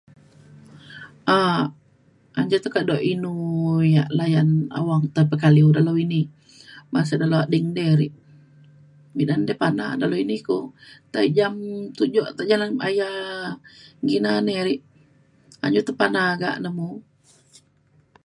um an je kado inu yak layan awang tai pekaliu dalau ini ban se dalau ading di re midan de pana dalau ini ku tai jam tujok tai jam aya kina ne re anju pana gak ne mu